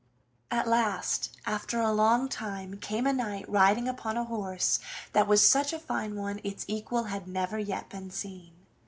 At last, after a long time, came a knight riding upon a horse that was such a fine one, its equal had never yet been seen.